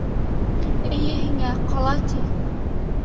— Эйе һиңә, ҡала, ти!